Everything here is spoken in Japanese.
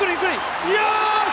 よし！